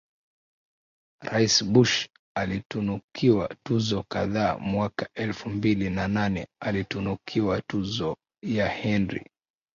rais Bush alitunukiwa tuzo kadhaa Mwaka elfu mbili na nane alitunukiwa tuzo ya Henry